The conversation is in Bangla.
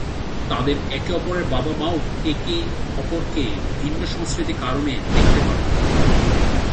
তাদের একে অপরের বাবা-মাও একে অপরকে ভিন্ন সংস্কৃতির কারণে দেখতে পারেনা।